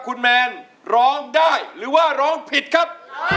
คุณแมนร้องได้หรือว่าร้องผิดครับ